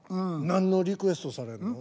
何のリクエストされんの？